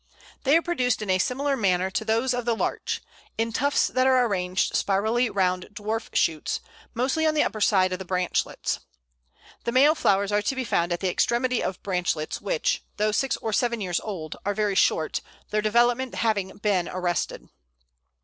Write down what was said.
They are produced in a similar manner to those of the Larch in tufts that are arranged spirally round dwarf shoots, mostly on the upper side of the branchlets. The male flowers are to be found at the extremity of branchlets which, though six or seven years old, are very short, their development having been arrested.